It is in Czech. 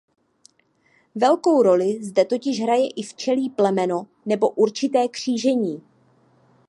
Velkou roli zde totiž hraje i včelí plemeno nebo určité křížení.